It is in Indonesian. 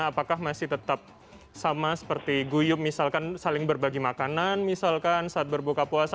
apakah masih tetap sama seperti guyup misalkan saling berbagi makanan misalkan saat berbuka puasa